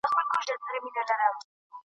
نور د تل لپاره ولاړ سي تش چرتونه در پاتیږي .